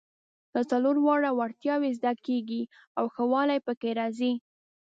دا څلور واړه وړتیاوې زده کیږي او ښه والی پکې راځي.